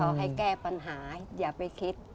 ให้แก้ปัญหาอย่าไปคิด